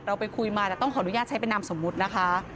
ไปคุยมาแต่ต้องขออนุญาตใช้เป็นนามสมมุตินะคะ